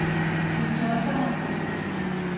Ils sont assermentés.